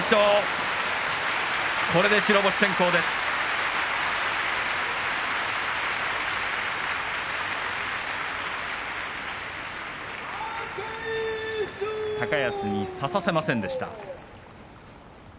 拍手高安に差させませんでした。